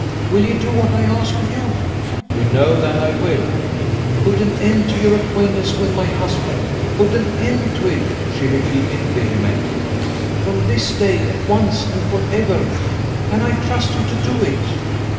Will you do what I ask of you?" "You know that I will." "Put an end to your acquaintance with my husband. Put an end to it," she repeated vehemently, "from this day, at once and forever! Can I trust you to do it?"